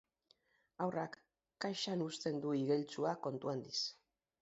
Haurrak kaxan uzten du igeltsua kontu handiz.